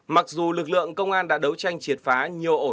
mặc dù lực lượng công an đã đấu tranh triệt phá nhiều ổ